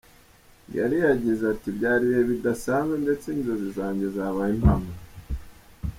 Gary yagize ati “ Byari ibihe bidasanzwe , ndetse inzozi zanjye zabaye impamo.